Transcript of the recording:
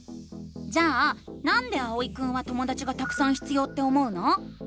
じゃあ「なんで」あおいくんはともだちがたくさん必要って思うの？